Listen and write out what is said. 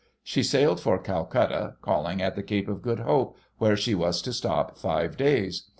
She sailed for Calcutta, calling at the Cape of Good Hope, where she was to stop five days.